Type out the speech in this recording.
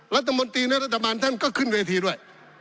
รัฐมนตรีและรัฐบาลท่านก็ขึ้นเวทีด้วย